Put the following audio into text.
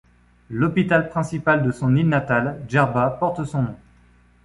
L'hôpital principal de son île natale, Djerba, porte son nom.